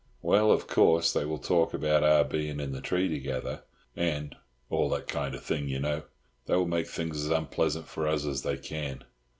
"Well, of course, they will talk about our being in the tree together—and—all that kind of thing, you know. They will make things as unpleasant for us as they can.